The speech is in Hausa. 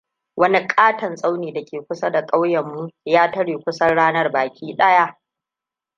Wani ƙaton tsauni dake kusa da ƙauyenmu ya tare kusan ranar baki ɗaya.